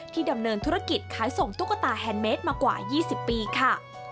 ดำเนินธุรกิจขายส่งตุ๊กตาแฮนดเมสมากว่า๒๐ปีค่ะ